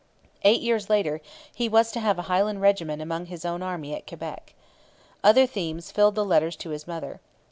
Eight years later he was to have a Highland regiment among his own army at Quebec. Other themes filled the letters to his mother.